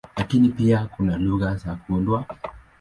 Lakini pia kuna lugha za kuundwa.